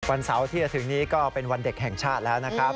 วันเสาร์ที่จะถึงนี้ก็เป็นวันเด็กแห่งชาติแล้วนะครับ